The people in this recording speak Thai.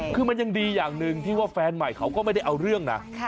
คือมันยังดีอย่างหนึ่งที่ว่าแฟนใหม่เขาก็ไม่ได้เอาเรื่องนะ